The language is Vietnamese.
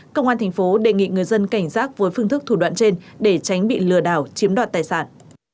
công an tp đề nghị người dân cảnh giác với phương thức thủ đoạn trên để tránh bị lừa đảo chiếm đoạt tài sản